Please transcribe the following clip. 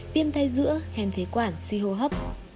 viêm thay giữa hèn phế quản suy hô hấp